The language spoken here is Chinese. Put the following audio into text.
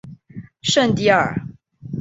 圣蒂尔。